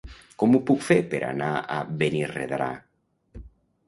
Com ho puc fer per anar a Benirredrà?